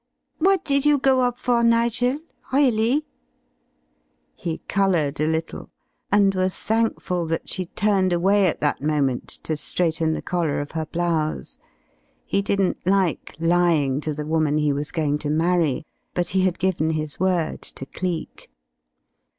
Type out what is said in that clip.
"What did you go up for, Nigel really?" He coloured a little, and was thankful that she turned away at that moment to straighten the collar of her blouse. He didn't like lying to the woman he was going to marry. But he had given his word to Cleek.